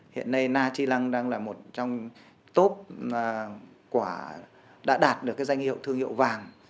hiện nay na chi lăng đang là một trong top quả đã đạt được cái danh hiệu thương hiệu vàng